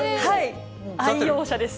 愛用者です。